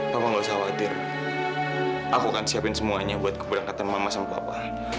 papa gak usah khawatir aku akan siapin semuanya buat keberangkatan mama sama papa